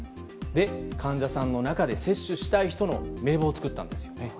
患者さんの中で接種したい人の名簿を作ったんですよね。